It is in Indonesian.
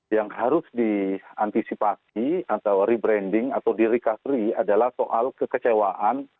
yang harus diantisipasi atau rebranding atau di recovery adalah soal kekecewaan